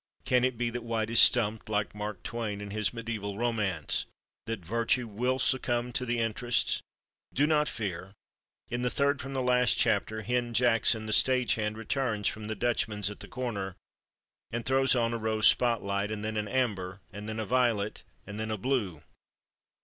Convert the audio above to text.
Can it be that White is stumped, like Mark Twain in his mediæval romance—that Virtue will succumb to the Interests? Do not fear! In the third from the last chapter Hen Jackson, the stagehand, returns from the Dutchman's at the corner and throws on a rose spot light, and then an amber, and then a violet, and then a blue.